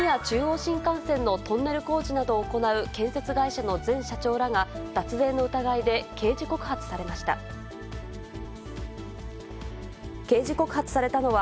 中央新幹線のトンネル工事などを行う建設会社の前社長らが、脱税の疑いで刑事告発されました。